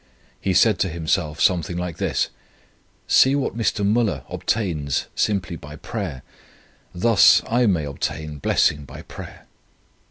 He said to himself something like this: 'See what Mr. Müller obtains simply by prayer. Thus I may obtain blessing by prayer.'